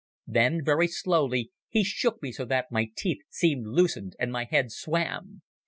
Then very slowly he shook me so that my teeth seemed loosened and my head swam.